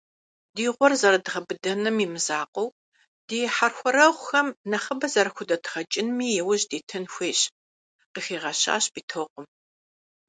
«Ди гъуэр зэрыдгъэбыдэным имызакъуэу, ди хьэрхуэрэгъухэм нэхъыбэ зэрахудэдгъэкӀынми яужь дитын хуейщ», - къыхигъэщащ Битокъум.